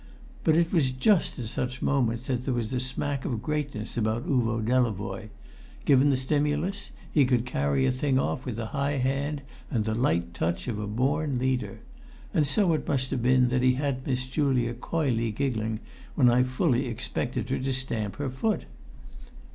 But it was just at such moments that there was a smack of greatness about Uvo Delavoye; given the stimulus, he could carry a thing off with a high hand and the light touch of a born leader; and so it must have been that he had Miss Julia coyly giggling when I fully expected her to stamp her foot.